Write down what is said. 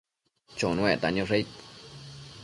Chonuecta niosh aid ?